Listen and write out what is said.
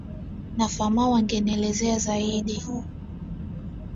na Famau angenielezea zaidi